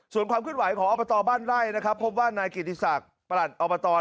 ส่วนความคุ้นหวัยของออร์ปตอบ้านได้นะครับพบว่านายกรีดศักดิ์ประหลัดออร์ปตอบ้าน